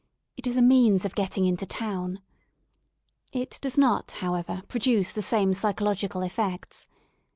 It is a means of getting into town. It does not, howeverj pro duce the same psychological effects.